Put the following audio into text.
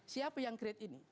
siapa yang create ini